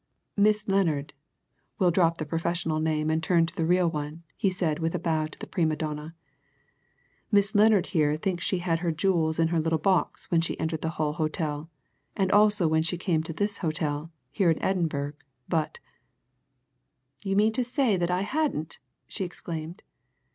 Miss Lennard we'll drop the professional name and turn to the real one," he said, with a bow to the prima donna "Miss Lennard here thinks she had her jewels in her little box when she entered the Hull hotel, and also when she came to this hotel, here in Edinburgh, but " "Do you mean to say that I hadn't?" she exclaimed.